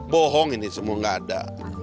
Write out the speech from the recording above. bohong ini semua nggak ada